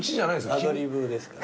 アドリブですから。